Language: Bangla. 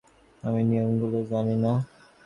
আমি নিয়মগুলো জানি না।